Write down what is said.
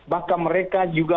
bahkan mereka juga